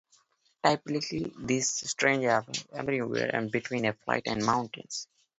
Typically these stages are somewhere between flat and mountainous.